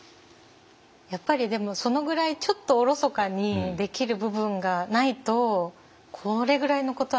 やっぱりでもそのぐらいちょっとおろそかにできる部分がないとこれぐらいのことはできない。